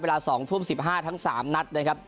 เวลา๒ทุ่ม๑๕ทั้ง๓นัดนะครับ